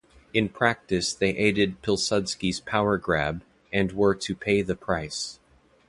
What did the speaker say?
In practice they aided Pilsudski's power grab and were to pay the price.